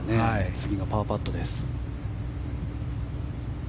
次がパーパットです。